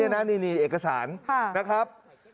นี่นี่เองกษานะครับ